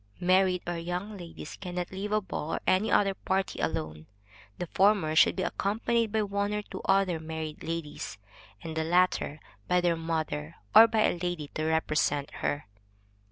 Married or young ladies cannot leave a ball room or any other party alone. The former should be accompanied by one or two other married ladies, and the latter by their mother, or by a lady to represent her.